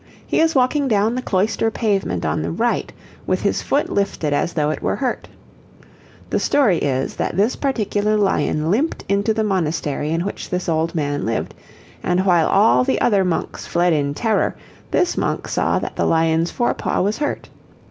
He is walking down the cloister pavement on the right, with his foot lifted as though it were hurt. The story is that this particular lion limped into the monastery in which this old man lived, and while all the other monks fled in terror, this monk saw that the lion's fore paw was hurt.